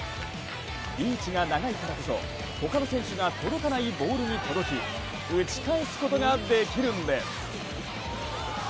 リーチが長いからこそ、他の選手が届かないボールに届き、打ち返すことができるんです。